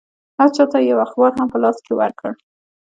هر چا ته یې یو اخبار هم په لاس کې ورکړ.